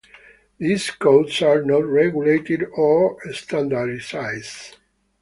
These codes are not regulated or standardized.